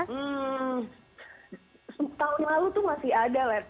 tidak tahun lalu itu masih ada wet